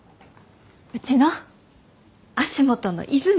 うちの足元の泉！